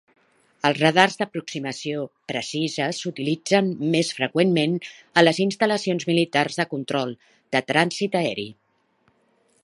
Els radars d'aproximació precisa s'utilitzen més freqüentment a les instal·lacions militars de control de trànsit aeri.